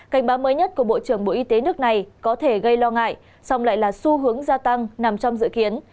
cảnh báo mới nhất của bộ trưởng bộ y tế nước này có thể gây lo ngại song lại là xu hướng gia tăng nằm trong dự kiến